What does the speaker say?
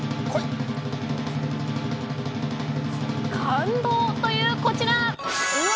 感動という、こちら！